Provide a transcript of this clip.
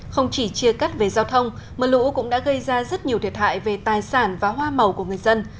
không chỉ chia cắt về giao thông mưa lũ cũng đã gây ra rất nhiều thiệt hại về tài sản và hoa màu của người dân